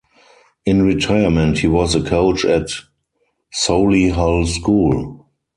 In retirement he was a coach at Solihull School.